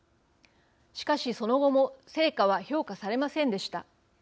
しかし、その後も成果は評価されませんでした。